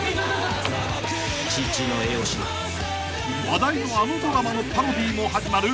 ［話題のあのドラマのパロディーも始まる］